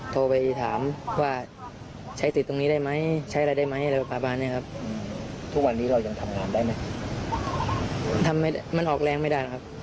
ทำไม่ได้มันออกแรงไม่ได้ครับ